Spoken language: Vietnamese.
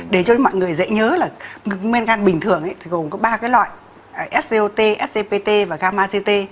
để cho mọi người dễ nhớ là men gan bình thường thì gồm có ba cái loại scot scpt và gamma ct